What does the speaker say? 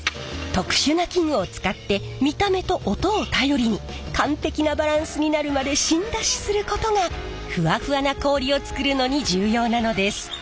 特殊な器具を使って見た目と音を頼りに完璧なバランスになるまで芯出しすることがふわふわな氷を作るのに重要なのです。